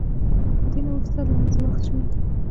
له دې نه وروسته د لمانځه وخت شو.